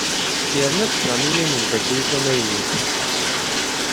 Yerna-d Sami yiwen n umeddakel amaynut.